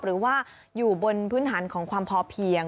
หรือว่าอยู่บนพื้นฐานของความพอเพียง